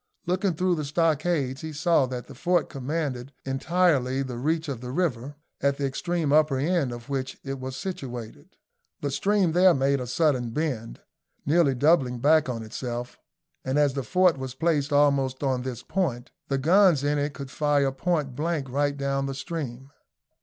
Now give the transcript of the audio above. Looking through the stockades, he saw that the fort commanded entirely the reach of the river, at the extreme upper end of which it was situated. The stream there made a sudden bend, nearly doubling back on itself; and as the fort was placed almost on this point, the guns in it could fire point blank right down the stream.